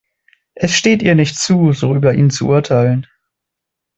Es steht ihr nicht zu, so über ihn zu urteilen.